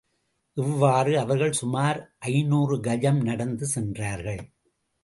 இவ்வாறு அவர்கள் சுமார் ஐநூறு கஜம் நடந்து சென்றார்கள்.